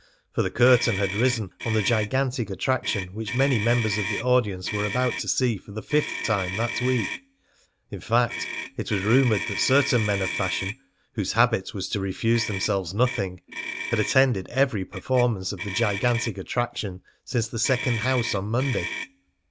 For the curtain had risen on the gigantic attraction which many members of the audience were about to see for the fifth time that week; in fact, it was rumoured that certain men of fashion, whose habit was to refuse themselves nothing, had attended every performance of the gigantic attraction since the second house on Monday.